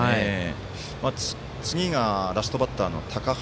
次がラストバッターの高橋。